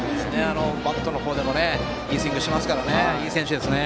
バットの方でもいいスイングしていますからねいい選手ですね。